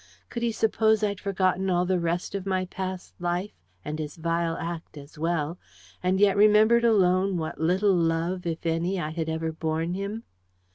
Could he suppose I'd forgotten all the rest of my past life, and his vile act as well, and yet remembered alone what little love, if any, I ever had borne him?